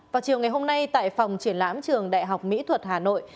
vào chiều ngày hôm nay tại phòng triển lãm trường đại học mỹ thuật hà nội